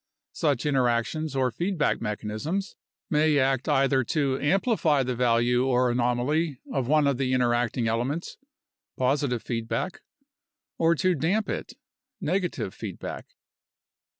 Such interactions or feedback mecha nisms may act either to amplify the value or anomaly of one of the interacting elements (positive feedback) or to damp it (negative feed back).